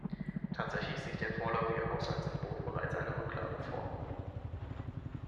Tatsächlich sieht der vorläufige Haushaltsentwurf bereits eine Rücklage vor.